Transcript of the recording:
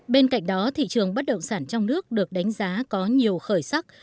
bên cạnh đó thị trường bất động sản trong nước được đánh giá có nhiều khởi sắc